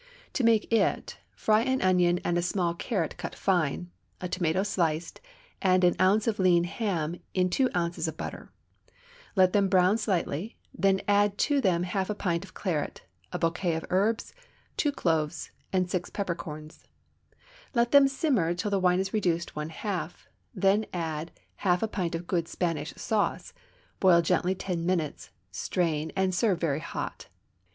To make it, fry an onion and a small carrot cut fine, a tomato sliced, and an ounce of lean ham in two ounces of butter; let them brown slightly; then add to them half a pint of claret, a bouquet of herbs, two cloves, and six peppercorns; let them simmer till the wine is reduced one half; then add half a pint of good Spanish sauce, boil gently ten minutes, strain, and serve very hot.